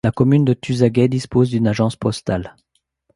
La commune de Tuzaguet dispose d'une agence postale.